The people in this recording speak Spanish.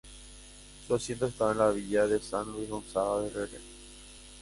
Su asiento estaba en la Villa de San Luis Gonzaga de Rere.